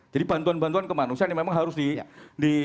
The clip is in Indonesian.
jadi bantuan bantuan kemanusiaan yang memang harus di